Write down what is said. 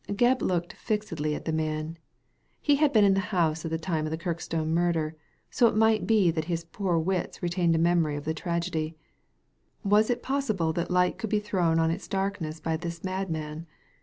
Gebb looked fixedly at the man. He had been in the house at the time of the Kirkstone murder, so it might be that his poor wits retained a memory of the tragedy. Was it possible that light could be thrown on its darkness by this madman?